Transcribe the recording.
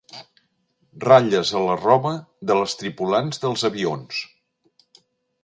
Ratlles a la roba de les tripulants dels avions.